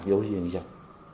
đối với dân dân